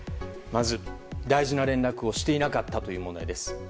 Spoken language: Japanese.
まず、大事な連絡をしていなかったという問題です。